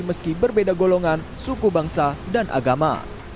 meski berbeda golongan suku bangsa dan agama